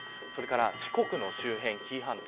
それから四国の周辺、紀伊半島。